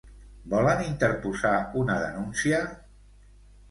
Volen interposar una denúncia?